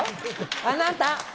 あなた！